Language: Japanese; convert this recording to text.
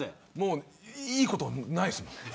いいことないですもん。